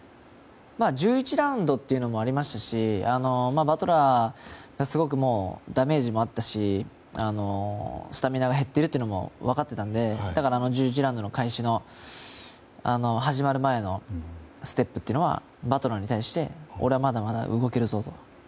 １１ラウンドというのもありましたし、バトラーがダメージもあったしスタミナが減っているのも分かっていたのでだから、１１ラウンドの開始の始まる前のステップはバトラーに対して俺はまだまだ動けるぞと。